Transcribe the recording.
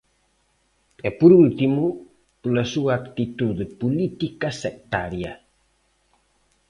E, por último, pola súa actitude política sectaria.